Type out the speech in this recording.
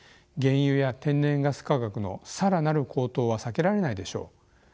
原油や天然ガス価格の更なる高騰は避けられないでしょう。